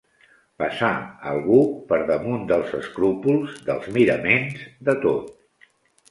Passar, algú, per damunt dels escrúpols, dels miraments, de tot.